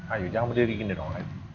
ayo jangan berdiri gini online